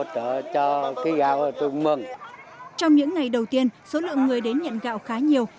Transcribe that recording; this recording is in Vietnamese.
trong những ngày đầu tiên số lượng người đến nhận gạo khá nhiều